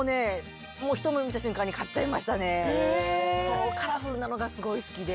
これもねカラフルなのがすごい好きで。